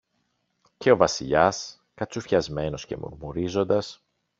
Και ο Βασιλιάς, κατσουφιασμένος και μουρμουρίζοντας